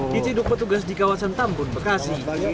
diciduk petugas di kawasan tambun bekasi